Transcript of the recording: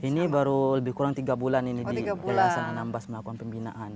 ini baru lebih kurang tiga bulan ini di yayasan anambas melakukan pembinaan